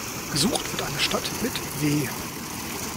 Gesucht wird eine Stadt mit W.